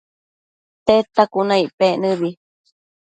Tedta cuna icpec nëbi